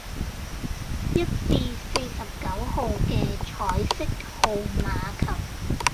一至四十九號既彩色號碼球